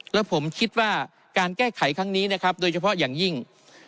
และผมคิดว่าการแก้ไขครั้งนี้นะครับโดยเฉพาะอย่างยิ่ง